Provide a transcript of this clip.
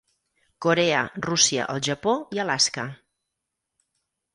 Corea, Rússia, el Japó i Alaska.